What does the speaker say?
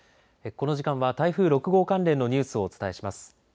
この時間は台風６号関連のニュースをお伝えします。